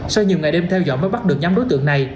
sau nhiều ngày đêm theo dõi mới bắt được nhóm đối tượng này